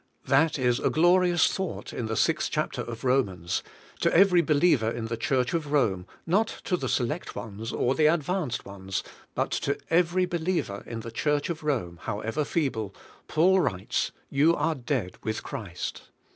That is a glorious thought in the 6th chapter of Komans; to every believer in the Church of Rome —not to the select ones, or the advanced ones, but to every believer in the Church of Rome, however DEAD WITH CHRIST 117 feeble, Paul writes, "You are dead with Christ."